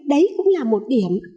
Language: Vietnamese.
đấy cũng là một điểm